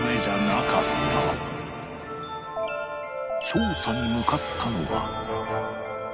調査に向かったのは